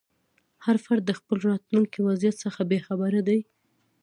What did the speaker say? هر فرد د خپل راتلونکي وضعیت څخه بې خبره دی.